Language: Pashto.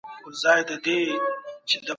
په وروسته پاته هېوادونو کي د کار حاصل لوړ وي.